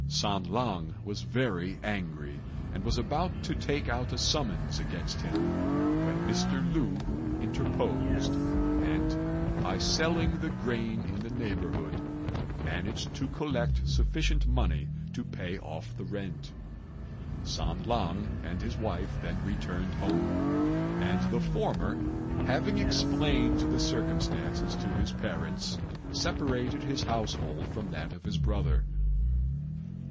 San lang was very angry, and was about to take out a summons against him, when Mr. Lu interposed, and, by selling the grain in the neighbourhood, managed to collect sufficient money to pay off the rent. San lang and his wife then returned home; and the former, having explained the circumstances to his parents, separated his household from that of his brother.